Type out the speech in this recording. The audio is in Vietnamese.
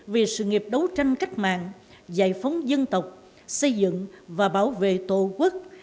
vì sự nghiệp đấu tranh cách mạng giải phóng dân tộc xây dựng và bảo vệ tổ quốc